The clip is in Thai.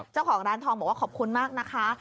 เจ้าของร้านทองบอกว่าขอบคุณมากนะคะ